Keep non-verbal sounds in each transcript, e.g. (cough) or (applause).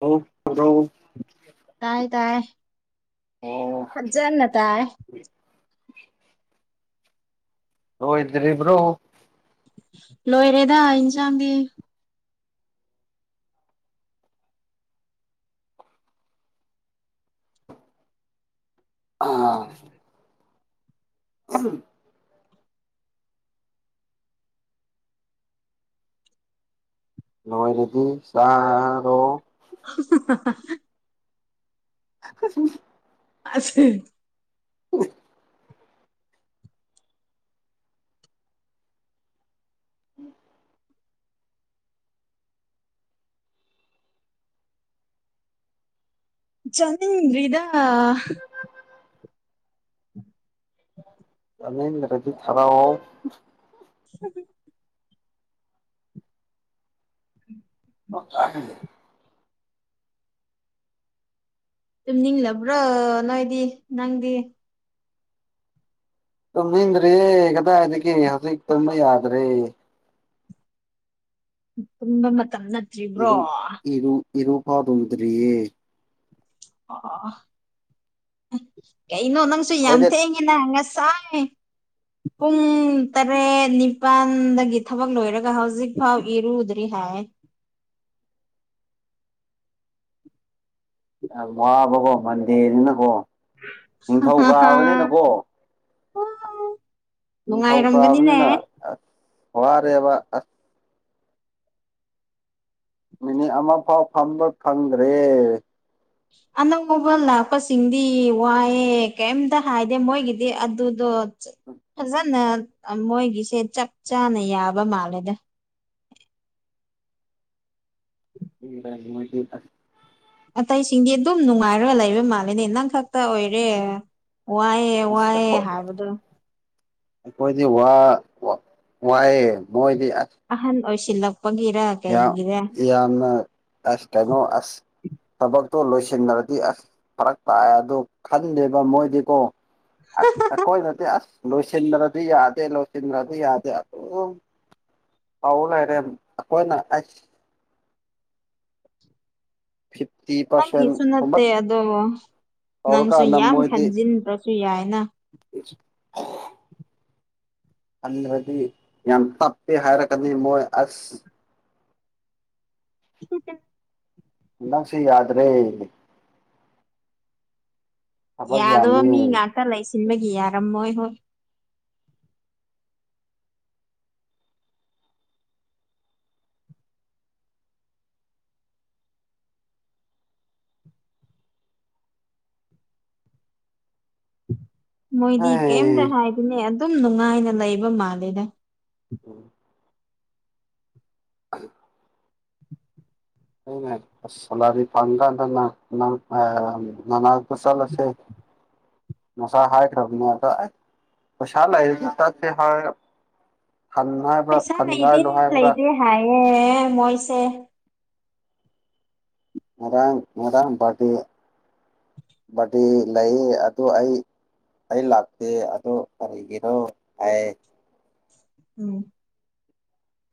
hello (unintelligible) ꯇꯥꯏ ꯇꯥꯏ ꯑꯣ ꯐꯖꯅ ꯇꯥꯏ ꯂꯣꯢꯗ꯭ꯔꯤꯕ꯭ꯔꯣ ꯂꯣꯏꯔꯦꯗ ꯏꯟꯁꯥꯡꯗꯤ ꯑꯥ (unintelligible) ꯂꯣꯏꯔꯗꯤ ꯆꯥꯔꯣ (unintelligible) (unintelligible) ꯑꯁꯦ (unintelligible) ꯎꯝ ꯆꯅꯤꯡꯗ꯭ꯔꯤꯗ ꯆꯔꯗ꯭ꯔꯖꯨ ꯊꯥꯎ (unintelligible) ꯎꯝ (unintelligible) ꯇꯨꯝꯅꯤꯡꯂꯕ꯭ꯔꯣ ꯅꯣꯏꯗꯤ ꯅꯪꯗꯤ ꯇꯨꯝꯅꯤꯡꯗ꯭ꯔꯤꯌꯦ ꯀꯗꯥꯢꯗꯒꯤ ꯍꯧꯖꯤꯛ ꯇꯨꯝꯕ ꯌꯥꯗ꯭ꯔꯦ ꯄꯨꯝꯕ ꯃꯇꯝ ꯅꯠ ꯏꯔꯨ ꯏꯔꯨ ꯏꯔ ꯐꯥꯎꯕ ꯂꯨꯗꯔꯤꯌꯦ ꯑꯥ ꯑꯣ ꯀꯩꯅꯣ ꯅꯪꯁꯨ ꯌꯥꯝ ꯑꯩꯈꯣꯏꯗꯤ ꯊꯦꯡꯉꯦꯅ ꯉꯁꯥꯏ ꯄꯨꯡ ꯇꯔꯦꯠ ꯅꯤꯄꯥꯜꯗꯒꯤ ꯊꯕꯛ ꯂꯣꯏꯔꯒ ꯍꯧꯖꯤꯛꯐꯥꯎ ꯏꯔꯨꯗꯔꯤ ꯍꯥꯏ ꯎꯝ ꯋꯥꯕꯀꯣꯔꯃꯟꯗꯦꯅ ꯀꯣ ꯅꯤꯡꯊꯧ ꯀꯥꯕꯅꯤꯅꯀꯣ ꯎ ꯐꯧ ꯅꯨꯡꯉꯥꯏꯔꯝꯒꯅꯤꯅꯦ ꯀꯥꯕꯅꯤꯅ ꯑꯁ ꯋꯥꯔꯦꯕ ꯑꯁ ꯃꯤꯅꯤꯠ ꯑꯃ ꯐꯥꯎ ꯐꯝꯕ ꯐꯪꯗ꯭ꯔꯦ ꯑꯅꯧꯕ ꯉꯧꯕꯥ ꯂꯥꯛꯄꯁꯤꯡꯗꯤ ꯋꯥꯏꯑꯦ ꯀꯩꯝꯇ ꯍꯥꯏꯗꯦ ꯃꯣꯏꯒꯤꯗꯤ ꯑꯗꯨꯗꯣ ꯐꯖꯅ ꯃꯣꯏꯒꯤꯁꯦ ꯆꯞ ꯆꯥꯅ ꯌꯥꯕ ꯃꯥꯜꯂꯦꯗ (unintelligible) ꯑꯇꯩꯁꯤꯡꯗꯤ ꯑꯗꯨꯝ ꯅꯨꯡꯉꯥꯏꯔꯒ ꯂꯩꯕ ꯃꯥꯜꯂꯦꯅꯦ ꯅꯪ ꯈꯛꯇ ꯑꯣꯏꯔꯦ ꯋꯥꯏꯑꯦ ꯑꯦꯋꯥꯌꯦ ꯍꯥꯏꯕꯗꯨ ꯍꯣꯢꯅꯦ ꯋꯥ ꯋꯥꯏꯑꯦ ꯃꯣꯏꯗꯤ ꯑꯁ ꯑꯍꯟ ꯑꯣꯏꯁꯤꯜ ꯂꯛꯄꯒꯤꯔ ꯌꯥꯝ ꯀꯩꯒꯤꯔ ꯌꯥꯝꯅ ꯑꯁ ꯇꯩꯅꯣ ꯑꯁ ꯊꯕꯛꯇꯣ ꯂꯣꯏꯁꯤꯟꯅꯔꯗꯤ ꯑꯁ ꯐꯔꯛ ꯇꯥꯛꯑꯦ ꯑꯗꯣ ꯈꯟꯗꯦꯕ ꯃꯣꯏꯗꯤꯀꯣ ꯑꯁ ꯑꯩꯈꯣꯏꯅꯗꯤ ꯑꯁ ꯂꯣꯏꯁꯤꯟꯗ꯭ꯔꯗꯤ ꯌꯥꯗꯦ ꯂꯣꯏꯁꯤꯟꯗ꯭ꯔꯗꯤ ꯌꯥꯗꯦ ꯑꯗꯨꯝ ꯑꯧ ꯂꯩꯔꯦ ꯑꯩꯈꯣꯏꯅ ꯑꯥꯏꯁ ꯐꯤꯞꯇꯤ ꯅꯪꯒꯤꯁꯨ ꯅꯠꯇꯦ ꯑꯗꯣ ꯅꯪꯁꯨ ꯇꯧꯔꯀꯥꯟꯗ ꯌꯥꯝ ꯃꯣꯏꯗꯤ ꯈꯟꯖꯤꯟꯗ꯭ꯔꯁꯨ ꯌꯥꯏꯅ (unintelligible) ꯈꯜꯂꯗꯤ ꯌꯥꯝ ꯇꯞꯄꯦ ꯍꯥꯏꯔꯒꯗꯤ ꯃꯣꯏ ꯑꯁ ꯁꯤꯇ ꯅꯪꯁꯤ ꯌꯥ꯭ꯔꯦ ꯊꯕꯛ ꯌꯥꯗꯣ ꯌꯥꯝꯃꯤ ꯃꯤ ꯉꯥꯛꯇ ꯂꯩꯁꯤꯟꯕꯒꯤ ꯌꯥꯔꯝꯃꯣꯏ ꯍꯣꯏ ꯃꯣꯏꯗꯤ ꯀꯩꯝꯇ ꯍꯩ ꯍꯥꯏꯗꯅꯦ ꯑꯗꯨꯝ ꯅꯨꯡꯉꯥꯏꯅ ꯂꯩꯕ ꯃꯥꯜꯂꯦꯗ ꯁꯂꯥꯔꯤ ꯐꯥꯡꯒꯅꯥ (unintelligible) ꯃꯁꯂꯁꯦ ꯉꯁꯥꯏ ꯍꯥꯏꯈꯔꯝꯅ ꯑꯗ ꯑꯏ ꯄꯩꯁꯥꯒ ꯂꯩꯔꯒꯥ ꯆꯠꯁꯦ ꯍꯥꯏꯔꯒ ꯍꯟ ꯍꯥꯏꯕ꯭ꯔꯥ ꯊꯟꯒꯥꯏꯂꯣ ꯍꯥꯏꯕ꯭ꯔꯥ ꯊꯥꯏꯌꯦ ꯃꯣꯏꯁꯦ ꯉꯥꯔꯡ ꯉꯥꯔꯡ ꯕꯥꯥ꯭ꯔꯗꯦ ꯕ꯭ꯔꯗꯦ ꯂꯩ ꯑꯗꯨ ꯑꯩ ꯑꯩ ꯂꯥꯛꯇꯦ ꯑꯗꯣ ꯀꯔꯤꯒꯤꯅꯣ ꯍꯥꯏ ꯎꯝ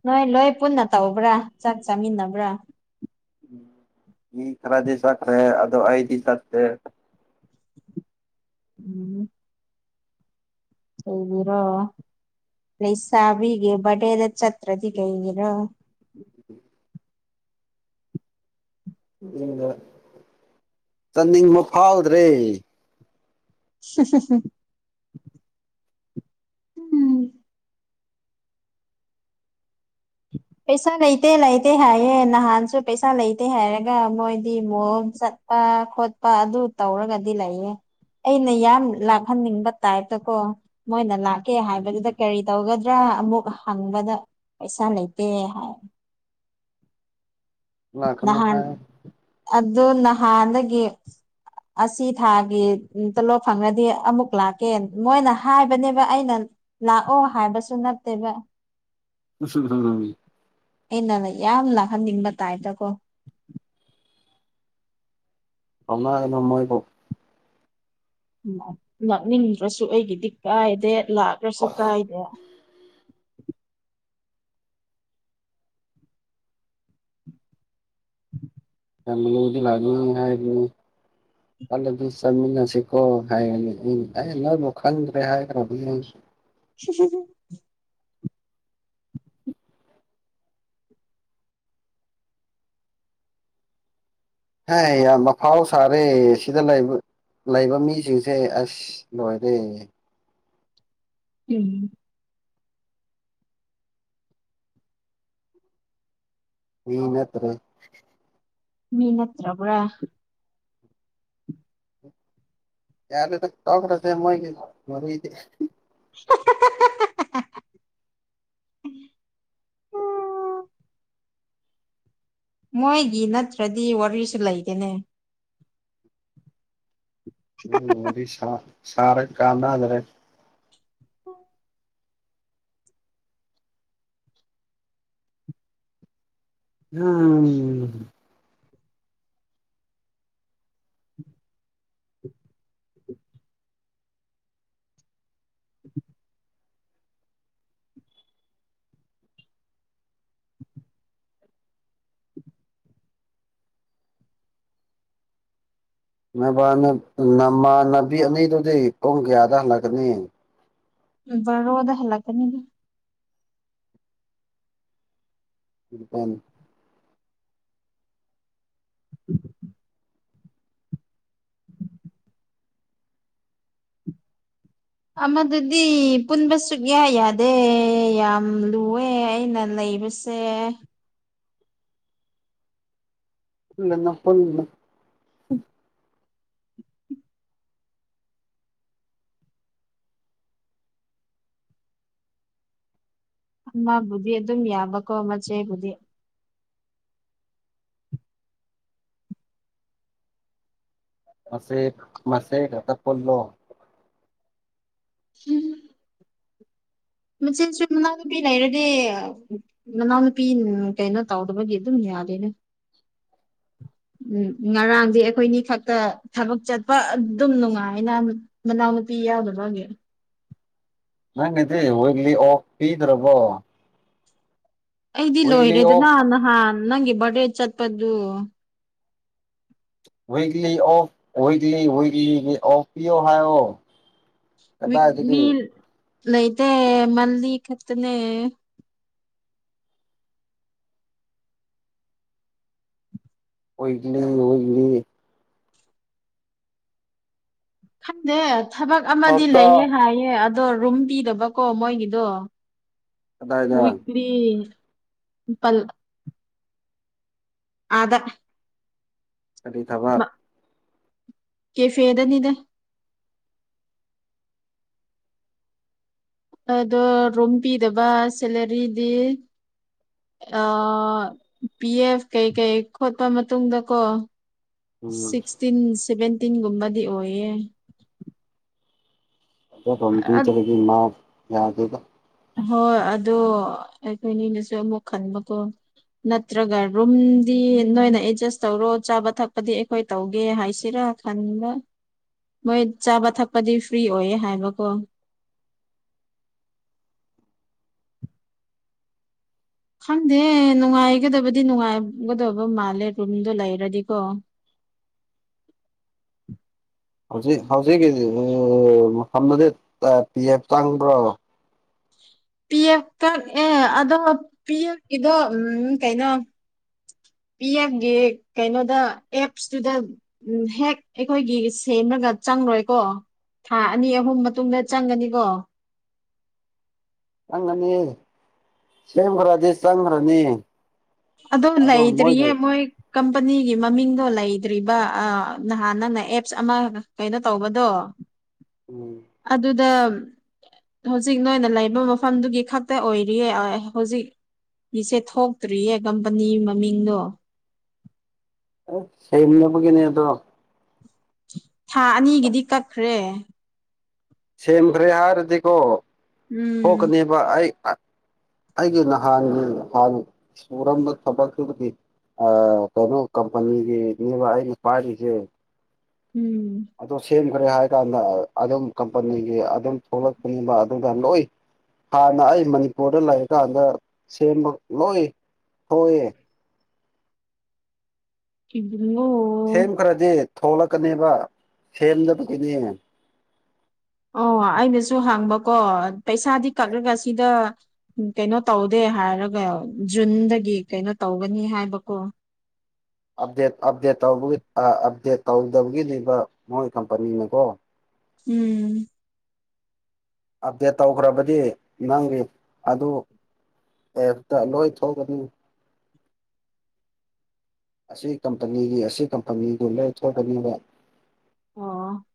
ꯅꯣꯏ ꯂꯣꯏ ꯄꯨꯟꯅ ꯇꯧꯕ꯭ꯔꯥ ꯆꯥꯛ ꯆꯥꯃꯤꯟꯅꯕ꯭ꯔꯥ ꯃꯤ ꯈꯔꯗꯤ ꯆꯥꯈ꯭ꯔꯦ ꯑꯗꯨ ꯑꯩꯗꯤ ꯆꯠꯇꯦ ꯎꯝ ꯀꯩꯒꯤꯔꯣ ꯂꯩꯁꯕꯤꯒꯤ ꯕꯥꯔꯗꯦꯗ ꯆꯠꯇ꯭ꯔꯗꯤ ꯀꯩꯒꯤꯔꯣ (inaudible) ꯆꯠꯅꯤꯡꯕ ꯐꯥꯎꯗ꯭ꯔꯦ (unintelligible) ꯎꯝ ꯄꯩꯁꯥ ꯂꯩꯇꯦ ꯂꯩꯇꯦ ꯍꯥꯏꯌꯦ ꯅꯍꯥꯟꯁꯨ ꯄꯩꯁꯥ ꯂꯩꯇꯦ ꯍꯥꯏꯔꯒ ꯃꯣꯏꯗꯤ ꯃꯣꯜ ꯆꯠ ꯄꯥ ꯈꯣꯠꯄ ꯑꯗꯨ ꯇꯧꯔꯒꯗꯤ ꯂꯩꯌꯦ ꯑꯩꯅ ꯌꯥꯝ ꯂꯥꯛꯍꯟꯅꯤꯡꯕ ꯇꯥꯏꯞꯇ ꯀꯣ ꯃꯣꯏꯅ ꯂꯥꯛꯀꯦ ꯍꯥꯏꯕꯗꯨꯗ ꯀꯔꯤ ꯇꯧꯒꯗ꯭ꯔꯥ ꯑꯃꯨꯛ ꯍꯪꯕꯗ ꯄꯩꯁꯥ ꯂꯩꯇꯦ ꯍꯥꯏ ꯂꯥꯛꯀꯅꯨ ꯅꯍꯥꯟ ꯍꯥꯏ ꯑꯗꯣ ꯅꯍꯥꯟꯗꯒꯤ ꯑꯁꯤ ꯊꯥꯒꯤ ꯇꯣꯂꯣꯞ ꯐꯪꯔꯗꯤ ꯑꯃꯨꯛ ꯂꯥꯛꯀꯦ ꯃꯣꯏꯅ ꯍꯥꯏꯕꯅꯦꯕ ꯑꯩꯅ ꯂꯥꯛꯑꯣ ꯍꯥꯏꯕꯁꯨ ꯅꯠꯇꯦꯕ (inaudible) ꯑꯩꯅꯒ ꯌꯥꯝ ꯂꯥꯛꯍꯟꯅꯤꯡꯕ ꯇꯥꯏꯗꯀꯣ ꯀꯧꯅꯒꯅꯨ ꯃꯣꯏꯕꯨ ꯂꯥꯛꯅꯤꯡꯗ꯭ꯔꯁꯨ ꯑꯩꯒꯤꯗꯤ ꯀꯥꯏꯗꯦ ꯂꯥꯛꯔꯁꯨ ꯀꯥꯏꯗꯦ ꯌꯥꯝ ꯂꯨꯕꯗꯤ (unintelligible) ꯍꯥꯏꯕꯅꯤ (inaudible) ꯈꯜꯂꯗꯤ ꯆꯠꯃꯤꯟꯅꯁꯤꯀꯣ ꯍꯥꯏꯔꯅꯤ ꯑꯩꯅ ꯑꯦ ꯅꯣꯏꯕꯨ ꯈꯟꯗ꯭ꯔꯦ ꯍꯥꯏꯈ꯭ꯔꯕꯅꯦ (inaudible) ꯍꯥꯏ ꯌꯥꯝ ꯑꯐꯥꯎ ꯁꯥꯔꯦ ꯁꯤꯗ ꯂꯩꯕ ꯂꯩꯕ ꯃꯤꯁꯤꯡꯁꯦ ꯑꯁ ꯂꯣꯏꯔꯦ ꯎꯝ ꯃꯤ ꯅꯠꯇꯔ꯭ꯦ ꯃꯤ ꯅꯠꯇ꯭ꯔꯕꯔ꯭ꯥ ꯌꯥꯔꯦꯗ ꯇꯣꯛꯔꯁꯦ ꯃꯣꯏꯒꯤ ꯋꯥꯔꯤꯗꯤ (inaudible) (inaudible) ꯃꯣꯏꯒꯤ ꯅꯠꯇ꯭ꯔꯗꯤ ꯋꯥꯔꯤꯁꯨ ꯂꯩꯇꯦꯅꯦ ꯎꯝ ꯋꯥꯔꯤ ꯁꯥ ꯁꯥꯔꯒ ꯀꯥꯟꯅꯗꯔꯦ (inaudible) ꯅꯕꯥꯅꯕ ꯅꯃꯥꯅꯕꯤ ꯑꯅꯤꯗꯨꯗꯤ ꯄꯨꯡ ꯀꯌꯥꯗ ꯍꯜꯂꯛꯀꯅꯤ ꯕꯥꯔꯣꯗ ꯍꯂꯛꯀꯅꯤ (unintelligible) ꯑꯃꯗꯨꯗꯤ ꯄꯨꯟꯕ ꯁꯨꯛꯌꯥ ꯌꯥꯗꯦ ꯌꯥꯝ ꯂꯨꯋꯦ ꯑꯩꯅ ꯂꯩꯕꯁ ꯁꯦ ꯄꯨꯟꯉꯅꯣ ꯄꯨꯟꯉꯅꯣ ꯃꯥꯕꯨꯗꯤ ꯑꯗꯨꯝ ꯌꯥꯕꯀꯣ ꯃꯆꯦꯕꯨꯗꯤ ꯃꯆꯦꯛ ꯃꯆꯦ ꯈꯠꯇ ꯄꯨꯜꯂꯣ ꯎꯝ ꯃꯆꯦꯁꯨ ꯃꯅꯥꯎ ꯅꯨꯨꯄꯤ ꯂꯩꯔꯗꯤ ꯃꯅꯥꯎꯅꯨꯄꯤ ꯀꯩꯅꯣ ꯇꯧꯗꯕꯒꯤ ꯑꯗꯨꯝ ꯌꯥꯗꯦꯅꯦ ꯎꯝ ꯉꯔꯥꯡꯗꯤ ꯑꯩꯈꯣꯏꯅꯤ ꯈꯛꯇ ꯊꯕꯛ ꯆꯠꯄ ꯑꯗꯨꯝ ꯅꯨꯡꯉꯥꯏꯅ ꯃꯅꯥꯎ ꯅꯨꯄꯤ ꯌꯥꯎꯗꯕꯒꯤ ꯅꯪꯒꯤꯗꯤ ꯋꯤꯛꯂꯤ ꯑꯣꯐ ꯄꯤꯗ꯭ꯔꯕꯣ ꯑꯩꯗꯤ ꯋꯤꯛꯂꯤ ꯂꯣꯏꯔꯦꯗꯅ ꯑꯣꯐ ꯅꯍꯥꯟ ꯅꯪꯒꯤ ꯕꯔꯗꯦ ꯆꯠꯄꯗꯨ ꯋꯤꯛꯂꯤ ꯑꯣꯐ ꯋꯤꯛꯂꯤ ꯋꯤꯛꯂꯤꯒꯤ ꯑꯣꯐ ꯄꯤꯌꯣ ꯍꯥꯏꯌꯣ ꯋꯤꯛꯂꯤ ꯀꯗꯥꯏꯗꯒꯤ ꯂꯩꯇꯦ ꯃꯟꯂꯤ ꯈꯠꯇꯅꯦ ꯑꯣꯏꯕꯅꯤꯡ ꯋꯤꯛꯂꯤ ꯈꯟꯗꯦ ꯊꯕꯛ ꯑꯃꯗꯤ ꯂꯩꯌꯦ ꯍꯞꯇꯥ ꯍꯥꯏꯌꯦ ꯑꯗꯣ ꯔꯨꯝ ꯄꯤꯗꯕꯀꯣ ꯃꯣꯏꯒꯤꯗꯣ ꯋꯤꯛ ꯀꯗꯥꯏꯗ ꯇꯤ ꯄꯜ ꯑꯥꯗ ꯀꯔꯤ ꯊꯕꯛ ꯀꯦ ꯐꯦꯗꯅꯤꯗ ꯑꯗꯣ ꯔꯨꯝ ꯄꯤꯗꯕ ꯁꯦꯂꯔꯤꯗꯤ ꯄꯤ ꯑꯦꯐ ꯀꯩ ꯀꯩ ꯈꯣꯠꯄ ꯃꯇꯨꯡꯗꯀꯣ ꯎꯝ ꯁꯤꯛꯁꯇꯤꯟ ꯁꯦꯚꯦꯟꯇꯤꯟꯒꯨꯝꯕꯗꯤ ꯑꯣꯏꯌꯦ ꯑꯖꯐꯝ (unintelligible) ꯄꯤꯗꯕꯗꯒꯤ ꯃꯥ ꯌꯥꯗꯦꯗ ꯍꯣꯏ ꯑꯗꯣ ꯑꯩꯈꯣꯏꯅꯤꯅꯁꯨ ꯑꯃꯨꯛ ꯈꯟꯕꯀꯣ ꯅꯠꯇ꯭ꯔꯒ ꯔꯨꯝꯗꯤ ꯅꯣꯏꯅ ꯑꯦꯗꯖꯁ ꯇꯧꯔꯣ ꯆꯥꯕ ꯊꯛꯄꯗꯤ ꯑꯩꯈꯣꯏ ꯇꯧꯒꯦ ꯍꯥꯏꯁꯤꯔꯥ ꯈꯟꯕ ꯃꯣꯏ ꯆꯥꯕ ꯊꯛꯄꯗꯤ ꯐ꯭ꯔꯤ ꯑꯣꯏꯌꯦ ꯍꯥꯏꯕꯀꯣ ꯈꯪꯗꯦ ꯅꯨꯡꯉꯥꯏꯒꯗꯕꯗꯤ ꯅꯨꯡꯉꯥꯏꯒꯗꯕ ꯃꯥꯜꯂꯦ ꯔꯨꯝꯗꯣ ꯂꯩꯔꯗꯤꯀꯣ ꯍꯧꯖꯤꯛ ꯍꯧꯖꯤꯛꯀꯤ ꯃꯐꯝꯗꯗꯤ ꯄꯤ ꯑꯦꯐ ꯆꯪꯕ꯭ꯔꯣ ꯄꯤ ꯑꯦꯐꯇ ꯑꯦ ꯑꯗꯣ ꯄꯤ ꯑꯦꯐꯀꯤꯗꯣ ꯎꯝ ꯀꯩꯅꯣ ꯄꯤ ꯑꯦꯝꯒꯤ ꯀꯩꯅꯣꯗ ꯑꯦꯞꯁꯇꯨꯗ ꯎꯝ ꯍꯦꯛ ꯑꯩꯈꯣꯏꯒꯤ ꯁꯦꯝꯃꯒ ꯆꯪꯂꯣꯏꯀꯣ ꯊꯥ ꯑꯅꯤ ꯑꯍꯨꯝ ꯃꯇꯨꯡꯗ ꯆꯪꯒꯅꯤꯀꯣ ꯆꯪꯒꯅꯤ ꯁꯦꯝꯈ꯭ꯔꯗꯤ ꯆꯪꯈ꯭ꯔꯅꯤ ꯑꯗꯣ ꯂꯩꯩꯗ꯭ꯔꯤ ꯌꯦ ꯃꯣꯏ ꯀꯝꯄꯅꯤꯒꯤ ꯃꯃꯤꯡꯗꯣ ꯂꯩꯇ꯭ꯔꯤꯕ ꯅꯍꯥꯟ ꯅꯪꯅ ꯑꯦꯞꯁ ꯑꯃ ꯀꯩꯅꯣ ꯇꯧꯕꯗꯣ ꯎꯝ ꯑꯗꯨꯗ ꯍꯧꯖꯤꯛ ꯅꯣꯏꯅ ꯂꯩꯕ ꯃꯐꯝꯗꯨꯒꯤ ꯈꯛꯇ ꯑꯣꯏꯔꯤꯌꯦ ꯍꯣꯢ ꯍꯧꯖꯤꯛ ꯏꯁꯦ ꯊꯣꯛꯇ꯭ꯔꯤꯌꯦ ꯀꯝꯄꯅꯤ ꯃꯃꯤꯡꯗꯣ ꯑꯁ ꯁꯦꯡꯗꯕꯒꯤꯅꯦ ꯑꯗꯣ ꯊꯥ ꯑꯅꯤꯒꯤꯗꯤ ꯀꯛꯈ꯭ꯔꯦ ꯁꯦꯝꯈ꯭ꯔꯦ ꯍꯥꯏꯔꯗꯤꯀꯣ ꯎꯝ ꯊꯣꯛꯀꯅꯦꯕ ꯑꯩ ꯑꯩꯒꯤ ꯅꯍꯥꯟꯒꯤ ꯅꯍꯥꯟ ꯁꯨꯔꯝꯕ ꯊꯕꯛꯛꯇꯨꯗꯤ ꯀꯩꯅꯣ ꯀꯝꯄꯅꯤꯒꯤꯅꯦꯕ ꯑꯩꯅ ꯄꯥꯏꯔꯤꯁꯦ ꯎꯝ ꯑꯗꯨꯣ ꯁꯦꯝꯈ꯭ꯔꯦ ꯍꯥꯏꯔ ꯀꯥꯟꯗ ꯑꯗꯨꯝ ꯀꯝꯄꯅꯤꯒꯤ ꯑꯗꯨꯝ ꯊꯣꯛꯂꯛꯅꯤꯡꯕ ꯑꯗꯨꯗ ꯂꯣꯏ ꯍꯥꯟꯅ ꯑꯩ ꯃꯅꯤꯄꯨꯔꯗ ꯂꯩꯔꯀꯥꯟꯗ ꯁꯦꯝꯕ ꯂꯣꯏ ꯊꯣꯛꯑꯦ ꯀꯂꯣ (unintelligible) ꯁꯦꯝꯈꯔꯗꯤ ꯊꯣꯛꯂꯛꯀꯅꯦꯕ ꯁꯦꯝꯗꯕꯒꯤꯅꯦ ꯑꯣ ꯑꯩꯅꯁꯨ ꯍꯥꯡꯕꯀꯣ ꯄꯩꯁꯥꯗꯤ ꯀꯛꯂꯒ ꯁꯤꯗ ꯀꯩꯅꯣ ꯇꯧꯗꯦ ꯍꯥꯏꯔꯒ ꯖꯨꯟꯗꯒꯤ ꯀꯩꯅꯣ ꯇꯧꯒꯅꯤ ꯍꯥꯏꯕꯀꯣ ꯑꯞꯗꯦꯠ ꯑꯞꯗꯦꯠ ꯇꯒꯤ ꯑꯞꯗꯦꯠ ꯇꯧꯗꯕꯒꯤꯅꯦꯕ ꯃꯣꯏ ꯀꯝꯄꯅꯤꯅꯀꯣ ꯎꯝ ꯑꯞꯗꯦꯠ ꯇꯧꯈ꯭ꯔꯕꯗꯤ ꯅꯪꯒꯤ ꯑꯗꯨ ꯑꯦꯐꯇ ꯂꯣꯏ ꯊꯣꯛꯒꯅꯤ ꯑꯁꯤ ꯀꯝꯄꯅꯤꯒꯤ ꯑꯁꯤ ꯀꯝꯄꯅꯤꯗꯨ ꯂꯣꯏ ꯊꯣꯛꯀꯅꯤꯕ ꯑꯣ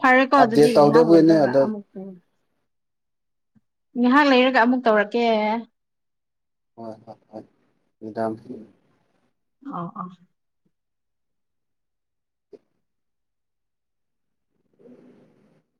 ꯐꯔꯦꯀꯣ ꯑꯗꯨꯗꯤ ꯑꯞꯗꯦꯠ ꯉꯥꯢꯍꯥꯛ ꯇꯧꯗꯕꯒꯤꯅꯦ ꯂꯩꯔꯒ ꯑꯗ ꯑꯃꯨꯛ ꯉꯥꯏꯍꯥꯛ ꯂꯩꯔꯒ ꯑꯃꯨꯛ ꯇꯧꯔꯛꯀꯦ ꯍꯣꯏ ꯍꯣꯏ ꯍꯣꯏ ꯃꯦꯗꯥꯝ ꯑꯣ ꯑꯣ ꯎ (inaudible)